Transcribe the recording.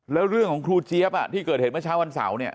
แล้วเรื่องของครูเจี๊ยบที่เกิดเหตุเมื่อเช้าวันเสาร์เนี่ย